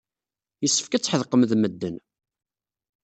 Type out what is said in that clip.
Yessefk ad tḥedqem d medden.